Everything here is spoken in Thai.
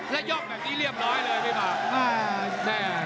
แล้วยกแบบนี้เรียบร้อยเลยพี่ปาก